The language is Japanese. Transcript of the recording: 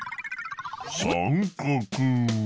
さんかく。